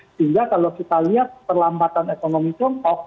sehingga kalau kita lihat perlambatan ekonomi tiongkok